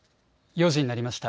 ４時になりました。